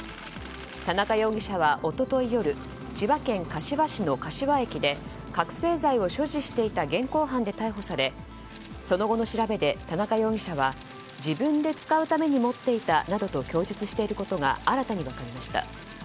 田中容疑者は一昨日夜千葉県柏市の柏駅で覚醒剤を所持していた現行犯で逮捕されその後の調べで田中容疑者は自分で使うために持っていたなどと供述していることが新たに分かりました。